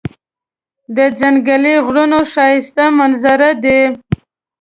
د ځنګلي غرونو ښایسته منظرې دي.